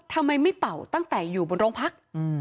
ทำไมไม่เป่าตั้งแต่อยู่บนโรงพัก